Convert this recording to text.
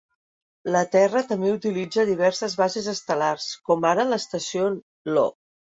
La Terra també utilitza diverses bases estel·lars, com ara l'estació Io.